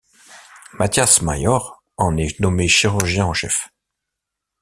Mathias Mayor en est nommé chirurgien en chef.